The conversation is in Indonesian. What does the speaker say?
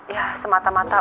ya semata mata